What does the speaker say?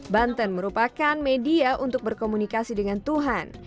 banten merupakan media untuk berkomunikasi dengan tuhan